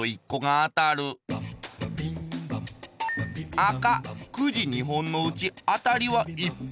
あかくじ２本のうちあたりは１本。